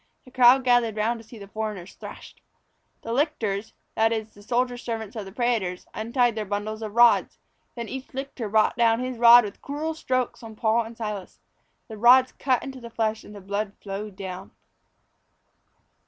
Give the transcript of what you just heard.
The crowd gathered round to see the foreigners thrashed. The lictors that is the soldier servants of the prætors untied their bundles of rods. Then each lictor brought down his rod with cruel strokes on Paul and Silas. The rods cut into the flesh and the blood flowed down.